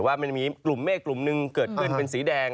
ว่ามันมีกลุ่มเมฆกลุ่มหนึ่งเกิดขึ้นเป็นสีแดง